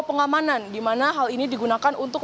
keamanan di mana hal ini digunakan untuk